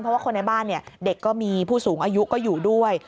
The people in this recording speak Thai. เพราะว่าคนในบ้านเด็กก็มีผู้สูงอายุก็อยู่ด้วย